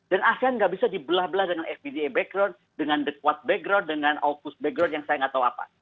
dan asean nggak bisa dibelah belah dengan fbda background dengan dgpwat background dengan a confined ashore people background yang saya nggak tahu apa